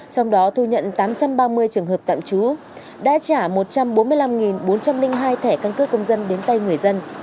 trong đó thu nhận tám trăm ba mươi trường hợp tạm trú đã trả một trăm bốn mươi năm bốn trăm linh hai thẻ căn cước công dân đến tay người dân